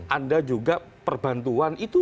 ada juga perbantuan